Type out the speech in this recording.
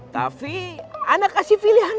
tapi ana kasih pilihan ke antum